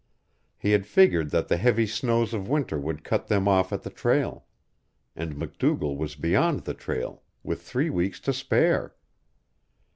He had figured that the heavy snows of winter would cut them off at the trail. And MacDougall was beyond the trail, with three weeks to spare!